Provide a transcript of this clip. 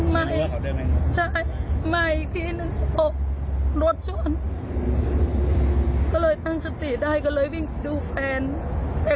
ไม่ได้ไปเขาไม่ได้ไป